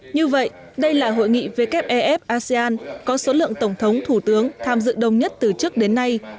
như vậy đây là hội nghị wef asean có số lượng tổng thống thủ tướng tham dự đông nhất từ trước đến nay